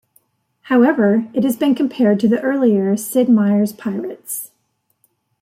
However, it has been compared to the earlier Sid Meier's Pirates!